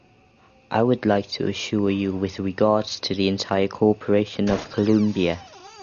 I would like to assure you with regards to the entire cooperation of Columbia.